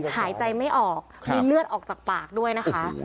หายใจไม่ออกมีเลือดออกจากปากด้วยนะคะ